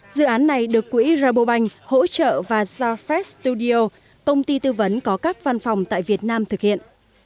dự án này được quỹ rabobank hỗ trợ và zafrae studio công ty tư vấn có các văn phòng tại việt nam thực hiện